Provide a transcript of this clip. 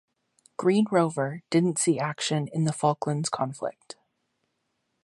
"Green Rover" didn't see action in the Falklands Conflict.